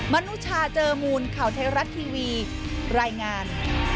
นุชาเจอมูลข่าวไทยรัฐทีวีรายงาน